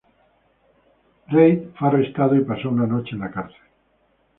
Reid fue arrestado y pasó una noche en la cárcel.